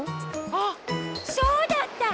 あっそうだった！